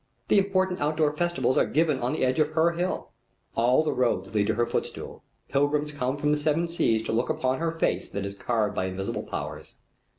The important outdoor festivals are given on the edge of her hill. All the roads lead to her footstool. Pilgrims come from the Seven Seas to look upon her face that is carved by Invisible Powers.